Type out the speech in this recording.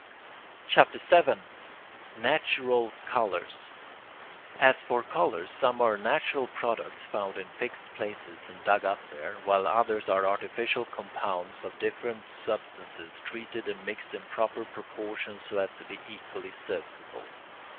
CHAPTER VII NATURAL COLOURS As for colours, some are natural products found in fixed places, and dug up there, while others are artificial compounds of different substances treated and mixed in proper proportions so as to be equally serviceable.